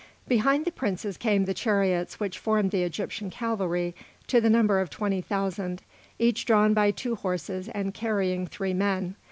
Behind the princes came the chariots which formed the Egyptian cavalry, to the number of twenty thousand, each drawn by two horses and carrying three men.